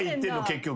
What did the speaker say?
結局。